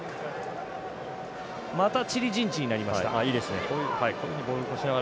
またチリ陣地になりました。